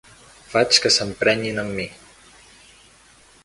Faig que s'emprenyin amb mi.